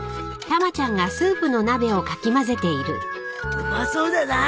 うまそうだな。